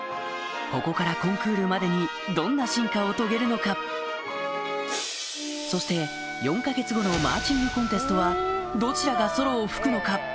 ここからコンクールまでにどんな進化を遂げるのかそして４か月後のマーチングコンテストはどちらがソロを吹くのか？